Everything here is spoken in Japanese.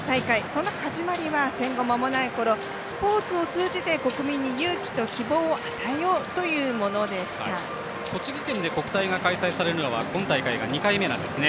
その始まりは戦後まもないころスポーツを通じて国民に勇気と希望を栃木県で国体が開催されるのは今大会が２回目です。